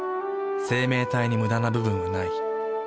生命体にムダな部分はない。